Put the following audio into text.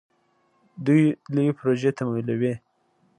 دوی لویې پروژې تمویلوي.